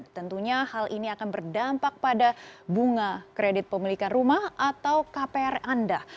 tentunya hal ini akan berdampak pada bunga kredit pemilikan rumah atau kpr anda